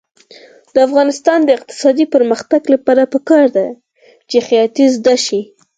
د افغانستان د اقتصادي پرمختګ لپاره پکار ده چې خیاطۍ زده شي.